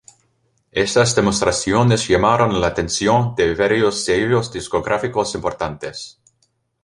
Estas demostraciones llamaron la atención de varios sellos discográficos importantes.